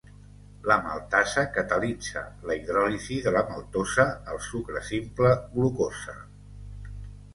La maltasa catalitza la hidròlisi de la maltosa al sucre simple glucosa.